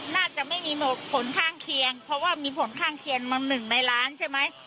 น่าจะไม่มีผลข้างเคียงเพราะว่ามีผลข้างเคียงมา๑ในล้านใช่ไหม